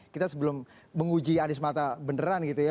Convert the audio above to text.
kita sebelum menguji anies mata beneran gitu ya